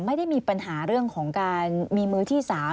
ไม่ได้มีปัญหาเรื่องของการมีมือที่๓